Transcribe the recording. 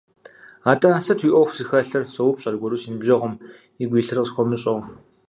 Атӏэ, сыт уи ӏуэху зыхэлъыр - соупщӏ аргуэру си ныбжьэгъум, игу илъыр къысхуэмыщӏэу.